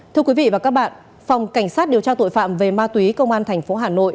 thưa quý vị và các bạn phòng cảnh sát điều tra tội phạm về ma túy công an tp hà nội